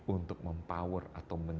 untuk mempower atau